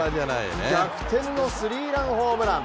逆転のスリーランホームラン。